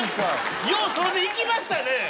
ようそれでいきましたね！